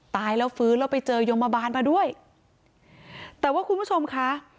ตายแล้วฟื้นแล้วไปเจอยมบาลมาด้วยแต่ว่าคุณผู้ชมค่ะ